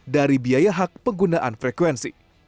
dari biaya hak penggunaan frekuensi